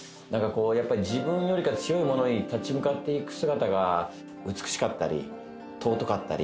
自分よりか強いものに立ち向かっていく姿が美しかったり尊かったり。